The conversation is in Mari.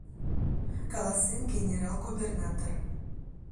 — каласен генерал-губернатор.